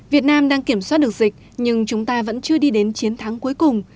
việt nam đang kiểm soát được dịch nhưng chúng ta vẫn chưa đi đến chiến thắng cuối cùng